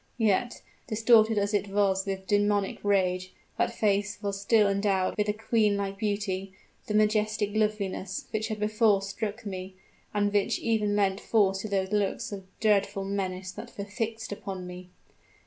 Yet distorted as it was with demoniac rage that face was still endowed with the queen like beauty the majesty of loveliness, which had before struck me, and which even lent force to those looks of dreadful menace that were fixed upon me.